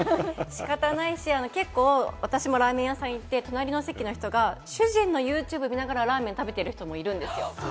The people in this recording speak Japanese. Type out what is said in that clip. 仕方ないし、結構私もラーメン屋さんにいて、隣の席の人が主人のユーチューブ見ながらラーメン食べてる人もいるんですよ。